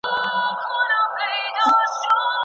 تاسو تېر کال په کومه برخه کي کار کاوه؟